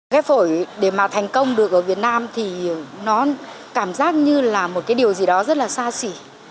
ghép phổi để mà thành công được ở việt nam thì nó cảm giác như là một cái điều gì đó rất là xa xỉ